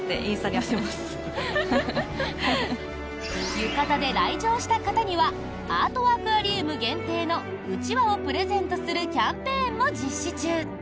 浴衣で来場した方にはアートアクアリウム限定のうちわをプレゼントするキャンペーンも実施中。